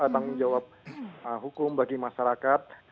tanggung jawab hukum bagi masyarakat